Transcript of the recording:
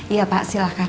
iya pak silahkan